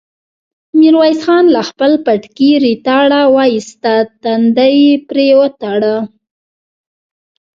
ميرويس خان له خپل پټکي ريتاړه واېسته، تندی يې پرې وتاړه.